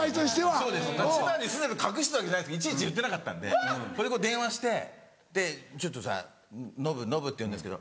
そうです千葉に住んでたの隠してたわけじゃないですけどいちいち言ってなかったんでそれで電話して「ちょっとさノブ」ノブって言うんですけど。